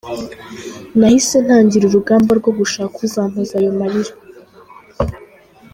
Nahise ntangira urugamba rwo gushaka uzampoza ayo marira.